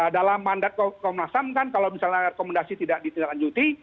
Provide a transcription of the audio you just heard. dalam mandat komnasam kan kalau misalnya rekomendasi tidak ditindaklanjuti